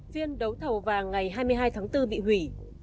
phiên đấu thầu vàng ngày hai mươi hai tháng bốn bị hủy